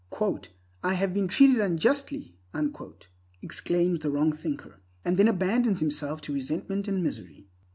"I have been treated unjustly!" exclaims the wrong thinker, and then abandons himself to resentment and misery.